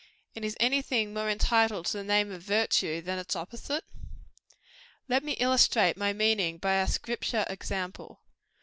And is any thing more entitled to the name of virtue, than its opposite? Let me illustrate my meaning by a Scripture example.